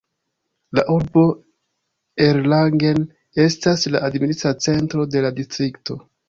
La urbo Erlangen estas la administra centro de la distrikto.